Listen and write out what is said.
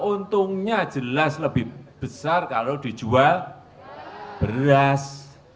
untungnya jelas lebih besar kalau dijual beras